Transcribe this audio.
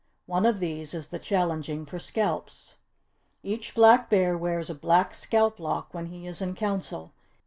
One of these is the challenging for scalps. "Each Black Bear wears a black scalp lock when he is in Council.